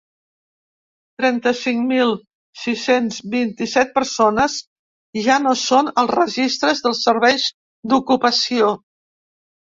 Trenta-cinc mil sis-cents vint-i-set persones ja no són als registres dels serveis d’ocupació.